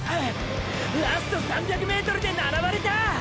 ラスト３００ｍで並ばれた！！